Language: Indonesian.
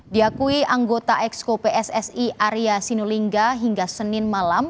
diakui anggota eksko pssi area sinulingga hingga senin malam